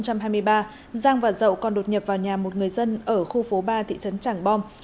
giang và dậu còn đột nhập vào nhà một người dân ở khu phố ba thị trấn tràng bom